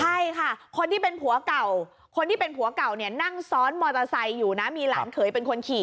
ใช่ค่ะคนที่เป็นผัวเก่าคนที่เป็นผัวเก่าเนี่ยนั่งซ้อนมอเตอร์ไซค์อยู่นะมีหลานเขยเป็นคนขี่